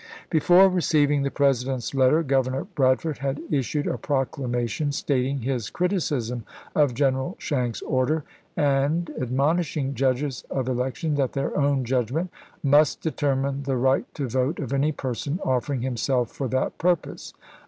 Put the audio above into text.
Before receiving the President's letter, Governor Bradford had issued a proclamation stating his criticism of General Schenck's order, and admon ishing judges of election that their own judgment "must determine the light to vote of any person offering himself for that purpose